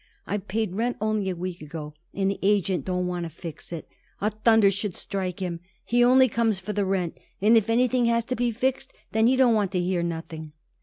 I paid rent only a week ago, and the agent don't want to fix it. A thunder should strike him! He only comes for the rent, and if anything has to be fixed, then he don't want to hear nothing."